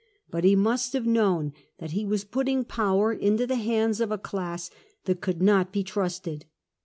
But he must have known that he was putting power into the hands of a class that could not be trusted.